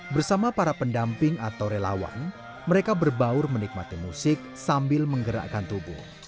bersama para pendamping atau relawan mereka berbaur menikmati musik sambil menggerakkan tubuh